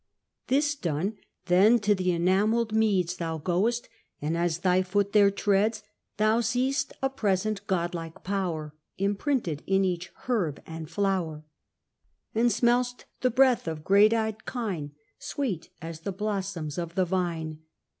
This done, then to th' enamell'd meads Thou go'st; and as thy foot there treads, Thou seest a present God like power Imprinted in each herb and flower: And smell'st the breath of great eyed kine, Sweet as the blossoms of the vine.